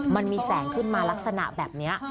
มันมีแสงขึ้นมาลักษณะแบบนี้